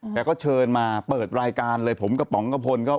แกก็เชิญมาเปิดรายการเลยผมกระป๋องกระพลก็